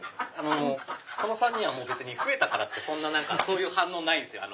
この３人は増えたからってそういう反応ないんすよ。